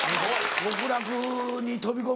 極楽に飛び込む。